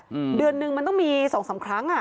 อืมเดือนหนึ่งมันต้องมีสองสามครั้งอ่ะ